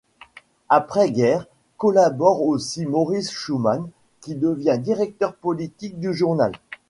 Après-guerre, collabore aussi Maurice Schumann qui devient directeur politique du journal.